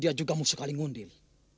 dia juga musuh kalingundil